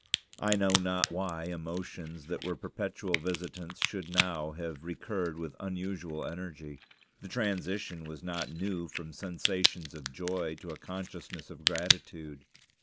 I know not why emotions that were perpetual visitants should now have recurred with unusual energy. The transition was not new from sensations of joy to a consciousness of gratitude.